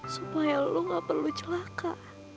supaya lo gak perlu celaka